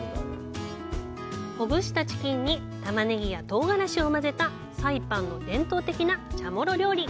ほぐしたチキンにタマネギや唐がらしを混ぜたサイパンの伝統的なチャモロ料理。